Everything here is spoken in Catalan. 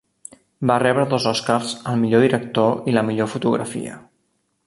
Va rebre dos Oscars al millor director i la millor fotografia.